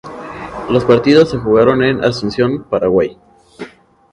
Los partidos se jugaron en Asunción, Paraguay.